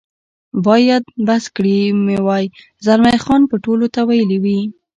باید بس کړي مې وای، زلمی خان به ټولو ته ویلي وي.